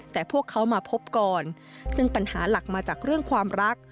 แต่พวกเขามาพบก่อนซึ่งปัญหาหลักมาจากเรื่องความรัก